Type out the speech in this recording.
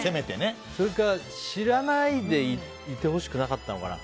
それか、知らないでいてほしくなかったのかな。